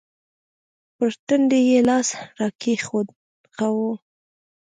پر تندي يې لاس راکښېښوو.